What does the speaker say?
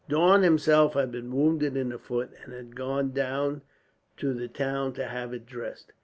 Daun himself had been wounded in the foot, and had gone down to the town to have it dressed.